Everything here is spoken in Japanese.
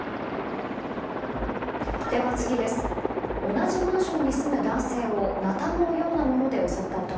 同じマンションに住む男性をナタのようなもので襲った男。